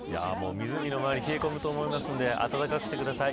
湖の周りは冷え込むと思うので暖かくしてください。